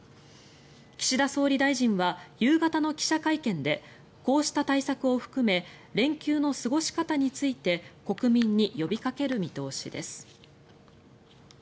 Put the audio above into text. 岸田総理大臣は夕方の記者会見でこうした対策を含め連休の過ごし方について国民に呼びかける見通しです。